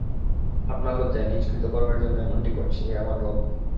আপনার লজ্জায় নিজ কৃতকর্মের জন্যে এমনটি করছি, হে আমার রব!